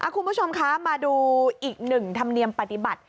คุณผู้ชมคะมาดูอีกหนึ่งธรรมเนียมปฏิบัติ